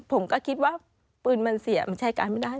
ผมก็คิดว่าปืนมันเสียมันใช้การไม่ได้